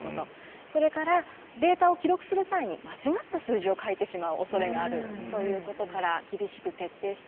それからデータを記録する際に間違った数字を書いてしまうおそれがあるということから厳しく徹底していました。